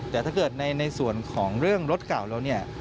แต่ถ้าเกิดในส่วนของเรื่องรถเก่าแล้วเนี่ย